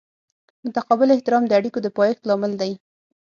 متقابل احترام د اړیکو د پایښت لامل دی.